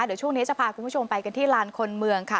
เดี๋ยวช่วงนี้จะพาคุณผู้ชมไปกันที่ลานคนเมืองค่ะ